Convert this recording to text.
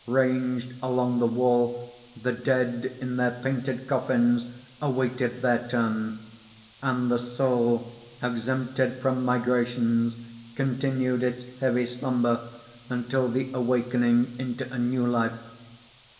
Ranged along the wall the dead in their painted coffins awaited their turn; and the soul, exempted from migrations, continued its heavy slumber until the awakening into a new life.